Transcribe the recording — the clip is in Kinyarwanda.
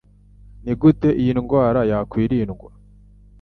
Ni gute iyi ndwara yakwirindwa?